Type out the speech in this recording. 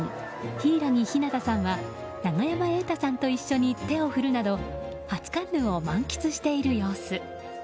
柊木陽太さんは永山瑛太さんと一緒に手を振るなど初カンヌを満喫している様子。